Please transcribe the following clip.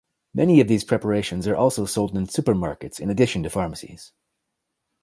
Many of these preparations are also sold in supermarkets in addition to pharmacies.